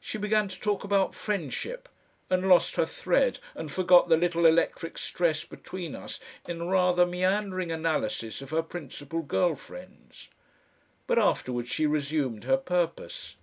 She began to talk about friendship, and lost her thread and forgot the little electric stress between us in a rather meandering analysis of her principal girl friends. But afterwards she resumed her purpose.